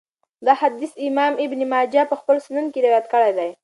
دا حديث امام ابن ماجه په خپل سنن کي روايت کړی دی .